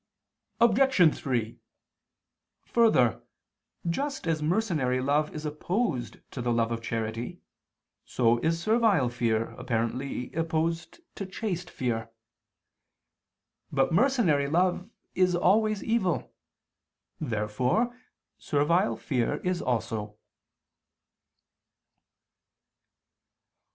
Obj. 3: Further, just as mercenary love is opposed to the love of charity, so is servile fear, apparently, opposed to chaste fear. But mercenary love is always evil. Therefore servile fear is also.